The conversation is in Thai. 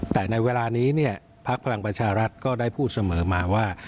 แต่ในเวลานี้เนี่ยพักพลังประชารัฐก็ได้พูดเสมอมาว่า